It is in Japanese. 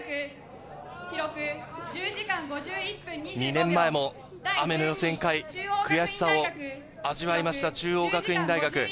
２年前も雨の予選会、悔しさを味わいました、中央学院大学。